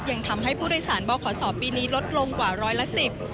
ยังทำให้ผู้โดยสารบ่อขอสอบปีนี้ลดลงกว่าร้อยละสิบ